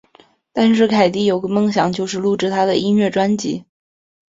但是凯蒂有个梦想就是录制她的音乐专辑。